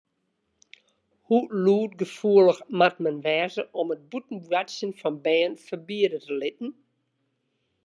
Hoe lûdgefoelich moat men wêze om it bûten boartsjen fan bern ferbiede te litten?